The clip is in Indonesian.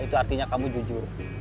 itu artinya kamu jujur